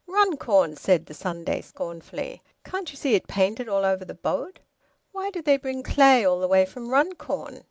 "Runcorn," said the Sunday scornfully. "Can't you see it painted all over the boat?" "Why do they bring clay all the way from Runcorn?"